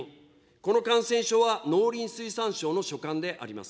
この感染症は農林水産省の所管であります。